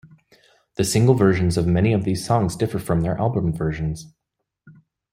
The single versions of many of these songs differ from their album versions.